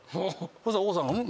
そしたら王さんがうん？